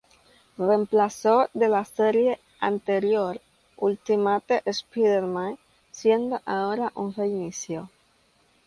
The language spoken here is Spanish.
Reemplazo de la serie anterior "Ultimate Spider-Man," siendo ahora un reinicio.